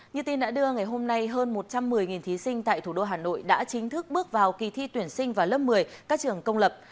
như tin đã đưa ngày hôm nay hơn một trăm một mươi thí sinh tại thủ đô hà nội đã chính thức bước vào kỳ thi tuyển sinh vào lớp một mươi các trường công lập